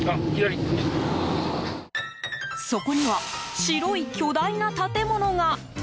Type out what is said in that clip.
そこには、白い巨大な建物が。